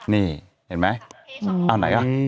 นี่เห็นไหมอันไหนอ่ะ